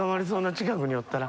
近くにおったら。